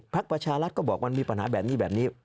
ประชารัฐก็บอกมันมีปัญหาแบบนี้แบบนี้